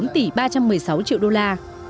bốn tỷ ba trăm một mươi sáu triệu đô la